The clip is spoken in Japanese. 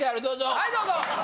はいどうぞ。